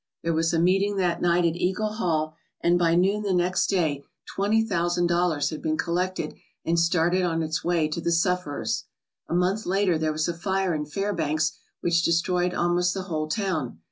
AMONG THE OLD TIMERS that night at Eagle Hall and by noon the next day twenty thousand dollars had been collected and started on its way to the sufferers. A month later there was a fire in Fairbanks which destroyed almost the whole town.